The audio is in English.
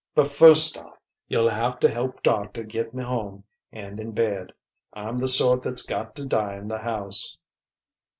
But first off, you'll have to help doctor get me home and in bed. I'm the sort that's got to die in the house."